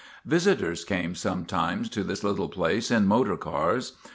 Visitors came sometimes to this place in motor cars.